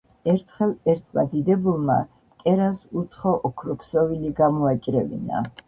ერთხელ ერთმა დიდებულმა, მკერავს უცხო ოქროქსოვილი გამოაჭრევინა